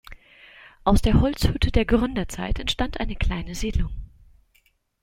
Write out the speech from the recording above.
Aus der Holzhütte der Gründerzeit entstand eine kleine Siedlung.